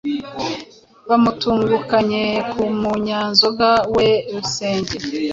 Bamutungukanye ku munyanzoga we Rusenge,